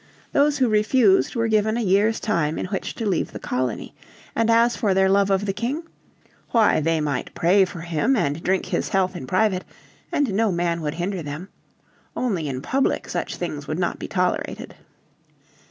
Those who refused were given a year's time in which to leave the colony. And as for their love of the King? Why, they might pray for him, and drink his health in private, and no man would hinder them. Only in public such things would not be tolerated.